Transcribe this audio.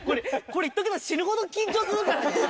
これ、言っとくけど、死ぬほど緊張するからね。